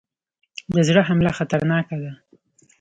د زړه حمله خطرناکه ده